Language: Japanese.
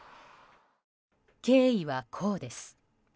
経緯は、こうです。